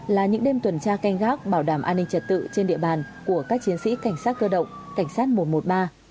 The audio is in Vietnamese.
là những đêm tuần tra canh gác bảo đảm an ninh trật tự trên địa bàn của các chiến sĩ cảnh sát cơ động cảnh sát một trăm một mươi ba